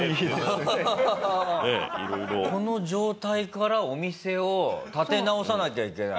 この状態からお店を立て直さなきゃいけない。